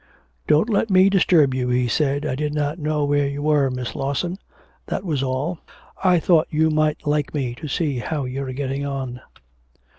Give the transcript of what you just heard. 'Don't let me disturb you,' he said, 'I did not know where you were, Miss Lawson, that was all. I thought you might like me to see how you're getting on.'